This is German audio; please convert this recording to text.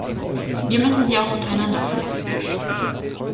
Wir müssen sie auch untereinander vernetzen.